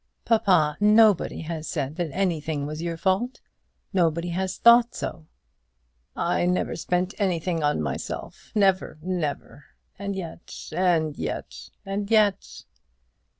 "Papa, nobody has said that anything was your fault; nobody has thought so." "I never spent anything on myself never, never; and yet, and yet, and yet